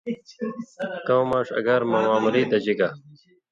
کؤں ماݜ اگار مہ معمولی دژی گا